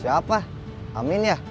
siapa amin ya